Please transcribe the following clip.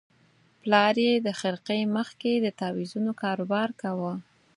پلار یې د خرقې مخ کې د تاویزونو کاروبار کاوه.